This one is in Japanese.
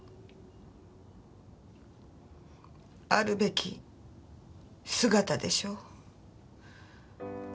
あるべき姿でしょ。